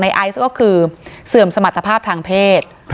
ไอซ์ก็คือเสื่อมสมรรถภาพทางเพศ